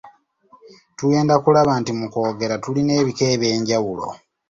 Tugenda kulaba nti mu kwogera tulina ebika eby’enjawulo.